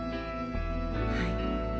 はい。